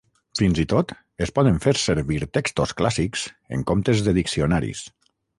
Fins i tot es poden fer servir textos clàssics en comptes de diccionaris.